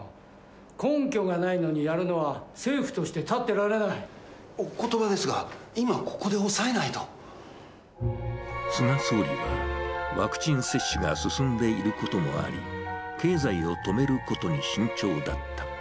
根拠がないのにやるのは、おことばですが、今、ここで菅総理はワクチン接種が進んでいることもあり、経済を止めることに慎重だった。